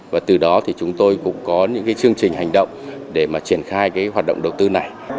và từ đó thì chúng tôi cũng có những cái chương trình hành động để mà triển khai cái hoạt động đầu tư này